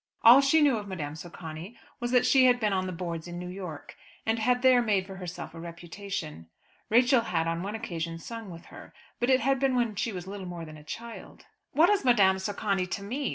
All she knew of Madame Socani was that she had been on the boards in New York, and had there made for herself a reputation. Rachel had on one occasion sung with her, but it had been when she was little more than a child. "What is Madame Socani to me?"